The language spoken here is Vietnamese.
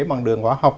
bằng đường hóa học